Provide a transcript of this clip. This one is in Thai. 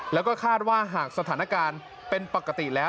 แล้วก็คาดว่าหากสถานการณ์เป็นปกติแล้ว